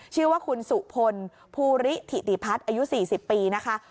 ชื่อว่าคุณสุพลภูริถิติพัฒน์อายุ๔๐ปีนะคะ